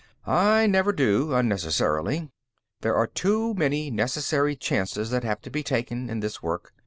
"I never do, unnecessarily. There are too many necessary chances that have to be taken, in this work."